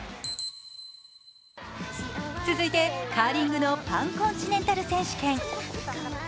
続いて、カーリングのパンコンチネンタル選手権。